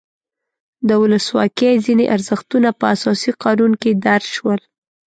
د ولسواکۍ ځینې ارزښتونه په اساسي قانون کې درج شول.